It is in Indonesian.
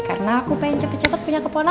karena aku pengen cepet cepet punya keponakan